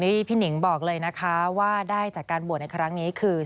นี่พี่หนิงบอกเลยนะคะว่าได้จากการบวชในครั้งนี้คือ